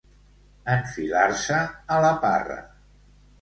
Enfilar-se a la parra.